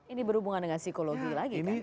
ini berhubungan dengan psikologi lagi